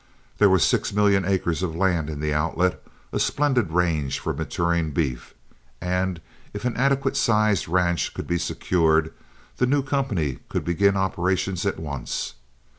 There were six million acres of land in the Outlet, a splendid range for maturing beef, and if an adequate sized ranch could be secured the new company could begin operations at once.